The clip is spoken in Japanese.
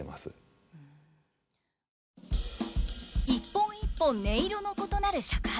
一本一本音色の異なる尺八。